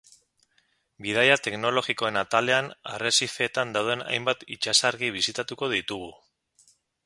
Bidaia teknologikoen atalean, arrezifeetan dauden hainbat itsasargi bisitatuko ditugu.